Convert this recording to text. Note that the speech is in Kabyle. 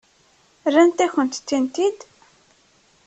Rrant-akent-tent-id.